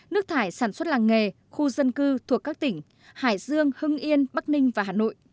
nước thải sản xuất làng nghề khu dân cư thuộc các tỉnh hải dương hưng yên bắc ninh và hà nội